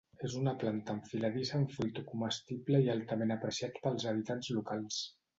És una planta enfiladissa amb fruit comestible i altament apreciat pels habitants locals.